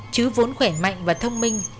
chứ vốn khỏe mạnh và thông minh